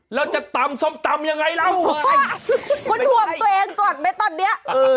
แล้วจะตำซ่อมตำยังไงแล้วคุณห่วงตัวเองตอนนี้